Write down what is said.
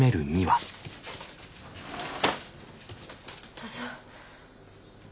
どうぞ。